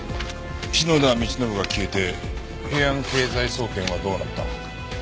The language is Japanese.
篠田道信が消えて平安経済総研はどうなった？